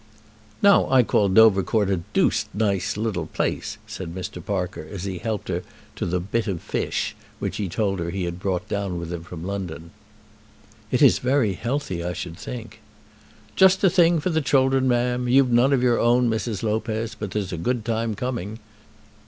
"Now I call Dovercourt a dooced nice little place," said Mr. Parker, as he helped her to the "bit of fish," which he told her he had brought down with him from London. "It is very healthy, I should think." "Just the thing for the children, ma'am. You've none of your own, Mrs. Lopez, but there's a good time coming.